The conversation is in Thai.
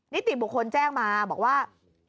นิติบุคคลแจ้งมาบอกว่า